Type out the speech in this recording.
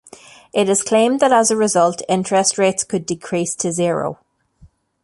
It is claimed that as a result, interest rates could decrease to zero.